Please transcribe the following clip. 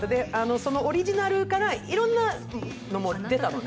そのオリジナルからいろんな他のも出たのね。